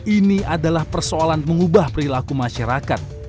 ini adalah persoalan mengubah perilaku masyarakat